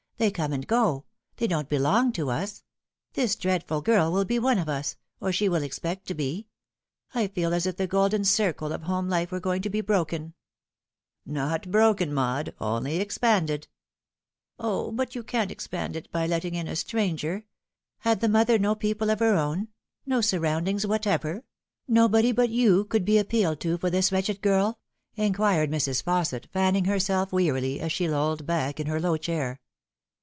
They come and go. They don't belong to us. This dreadful girl will be one of us ; or she will expect to be. I feel as if the golden circle of home life were going to be broken." " Not broken, Maud, only expanded." We have been so Happy. 9 " 0, but you can't expand it by letting in a stranger. Had the mother no people of her own ; no surroundings whatever ; nobody but you who could be appealed to for this wretched girl ?" inquired Mrs. Fausset, fanning herself wearily, as she lolled back in her low chair.